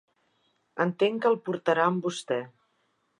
Entenc que el portarà amb vostè?